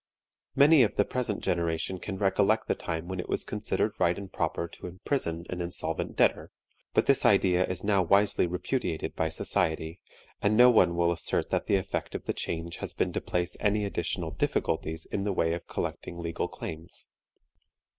Many of the present generation can recollect the time when it was considered right and proper to imprison an insolvent debtor; but this idea is now wisely repudiated by society, and no one will assert that the effect of the change has been to place any additional difficulties in the way of collecting legal claims.